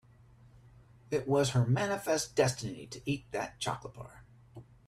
It was her manifest destiny to eat that chocolate bar.